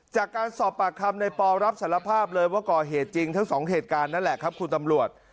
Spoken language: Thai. จากการสอบปากคำในปอรับสารภาพเลยว่าก่อเหตุจริงทั้งสองเหตุการณ์นั่นแหละครับคุณตำรวจ